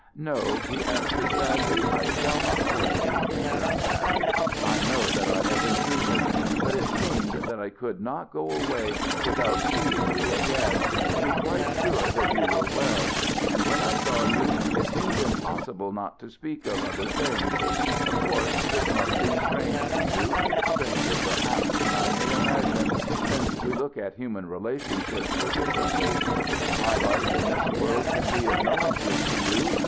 "No," he answered sadly; "I shall not force you to turn back. I know that I have intruded. But it seemed that I could not go away without seeing you again, to be quite sure that you were well. And when I saw you, it seemed impossible not to speak of other things. Of course this must seem strange to you stranger, perhaps, than I may imagine, since we look at human relationships so differently. My life in this world can be of no interest to you.